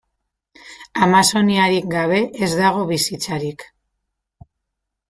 Amazoniarik gabe ez dago bizitzarik.